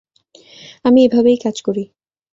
আমি এভাবেই কাজ করি।